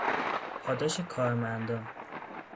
پاداش کارمندان